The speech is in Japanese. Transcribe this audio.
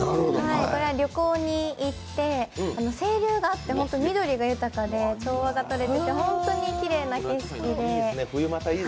これは旅行に行って、清流があって緑が豊かで調和がとれてて本当にきれいな景色で。